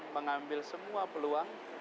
mengambil semua peluang